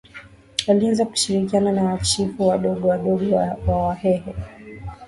Alianza kushirikiana na machifu wadogo wadogo wa Wahehe